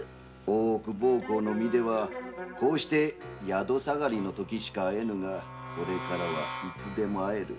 大奥奉公の身ではこうして宿さがりのときしか会えぬがこれからはいつでも会える。